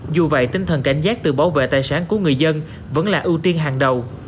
dù vậy tinh thần cảnh giác tự bảo vệ tài sản của người dân vẫn là ưu tiên hàng đầu